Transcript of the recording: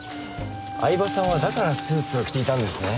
饗庭さんはだからスーツを着ていたんですね。